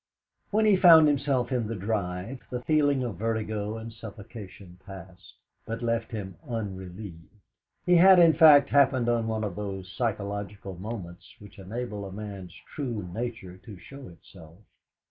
When he found himself in the drive, the feeling of vertigo and suffocation passed, but left him unrelieved. He had, in fact, happened on one of those psychological moments which enable a man's true nature to show itself.